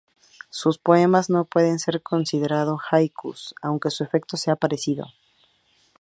Sus poemas no pueden ser considerados haikus, aunque su efecto sea parecido.